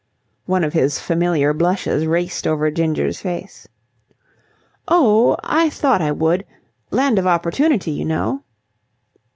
One of his familiar blushes raced over Ginger's face. "Oh, I thought I would. Land of opportunity, you know."